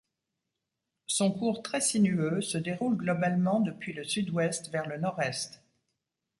Son cours très sinueux se déroule globalement depuis le sud-ouest vers le nord-est.